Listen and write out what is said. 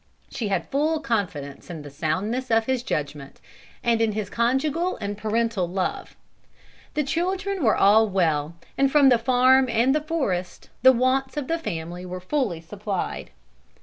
She had full confidence in the soundness of his judgment, and in his conjugal and parental love. The children were all well, and from the farm and the forest the wants of the family were fully supplied.